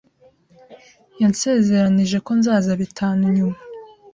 Yansezeranije ko nzaza bitanu nyuma.